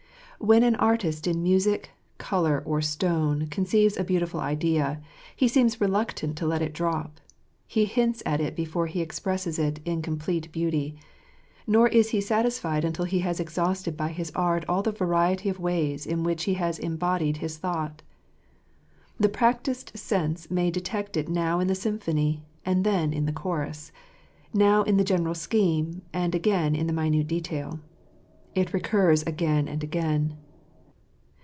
When an artist in music, colour, or stone, conceives a beautiful idea, he seems reluctant to let it drop : he hints at it before he expresses it in complete beauty ; nor is he satis fied until he has exhausted his art by the variety of ways in which he has embodied his thought, The practised sense may detect it now in the symphony, and then in the chorus ; now in the general scheme, and again in the minute detail. It recurs again and again.